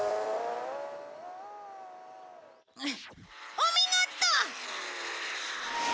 お見事！